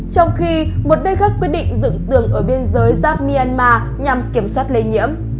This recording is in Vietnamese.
trong khi một đôi khách quyết định dựng tường ở biên giới giáp myanmar nhằm kiểm soát lây nhiễm